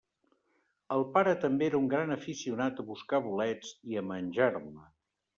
El pare també era un gran aficionat a buscar bolets i a menjar-ne.